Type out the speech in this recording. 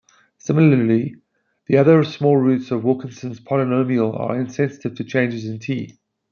Similarly, the other small roots of Wilkinson's polynomial are insensitive to changes in "t".